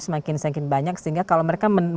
semakin semakin banyak sehingga kalau mereka